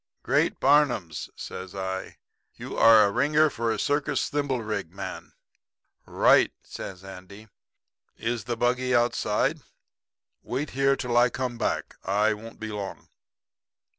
"'Great Barnums?' says I. 'You're a ringer for a circus thimblerig man.' "'Right,' says Andy. 'Is the buggy outside? Wait here till I come back. I won't be long.'